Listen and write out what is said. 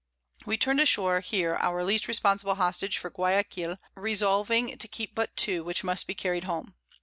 We turn'd ashore here our least responsible Hostage for Guiaquil, resolving to keep but two, which must be carried home.